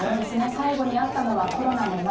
最後に会ったのは、コロナの前。